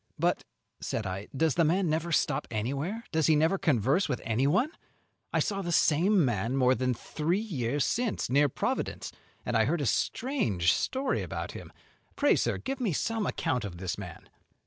"But," said I, "does the man never stop anywhere, does he never converse with anyone? I saw the same man more than three years since, near Providence, and I heard a strange story about him. Pray, sir, give me some account of this man."